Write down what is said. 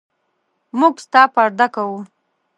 موږ ستا پرده کوو.